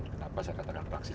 kenapa saya katakan praksis